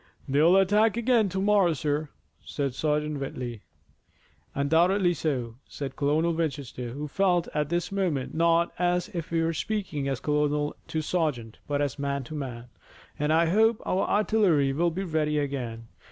"They'll attack again to morrow, sir," said Sergeant Whitley. "Undoubtedly so," said Colonel Winchester, who felt at this moment not as if he were speaking as colonel to sergeant, but as man to man, "and I hope that our artillery will be ready again.